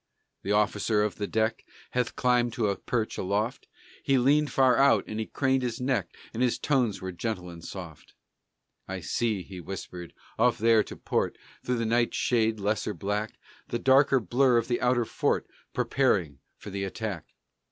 The officer of the deck Had climbed to a perch aloft, And he leaned far out and he craned his neck, And his tones were gentle and soft: "I see," he whispered, "off there to port, Through the night shade's lesser black, The darker blur of the outer fort, Preparing for the attack."